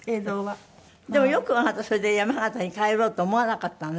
でもよくあなたそれで山形に帰ろうと思わなかったわね